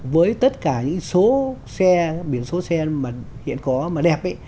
với tất cả những số xe biển số xe đẹp